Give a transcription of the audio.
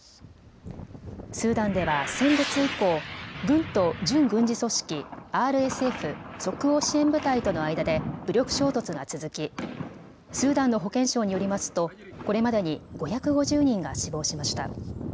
スーダンでは先月以降、軍と準軍事組織、ＲＳＦ・即応支援部隊との間で武力衝突が続きスーダンの保健省によりますとこれまでに５５０人が死亡しました。